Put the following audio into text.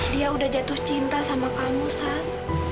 dia udah jatuh cinta sama kamu san